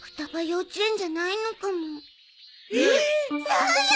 そうよ！